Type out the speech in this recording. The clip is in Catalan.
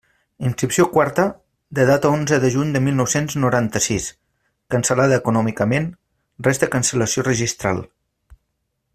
Inscripció quarta, de data onze de juny de mil nou-cents noranta-sis: cancel·lada econòmicament, resta cancel·lació registral.